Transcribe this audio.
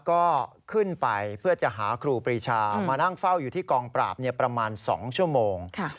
ก็ขึ้นไปเพื่อจะหาครูปรีชามานั่งเฝ้าอยู่ที่กองปราบประมาณ๒ชั่วโมง